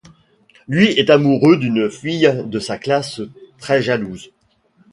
Lui est amoureux d'une jeune fille de sa classe, très jalouse...!